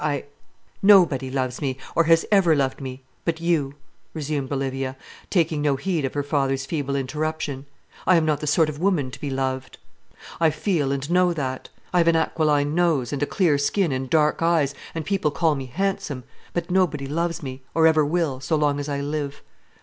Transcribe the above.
I " "Nobody loves me, or has ever loved me, but you," resumed Olivia, taking no heed of her father's feeble interruption. "I am not the sort of woman to be loved; I feel and know that. I have an aquiline nose, and a clear skin, and dark eyes, and people call me handsome; but nobody loves me, or ever will, so long as I live."